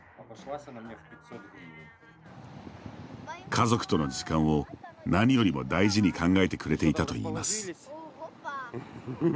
家族との時間を何よりも大事に考えてくれていたといいます。